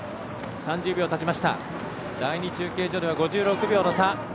第２中継所では５６秒の差。